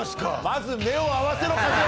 まず目を合わせろカズ！